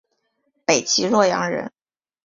北齐洛阳人。